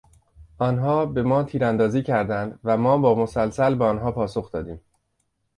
آنها به ما تیراندازی کردند و ما با مسلسل به آنها پاسخ دادیم.